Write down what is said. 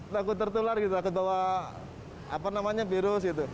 takut tertular gitu takut bawa virus gitu